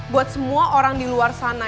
buat semua orang di luar sana